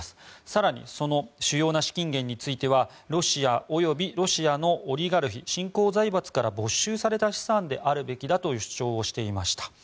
更に、その主要な資金源についてはロシア及び、ロシアのオリガルヒ、新興財閥から没収された資産であるべきだという主張をしていました。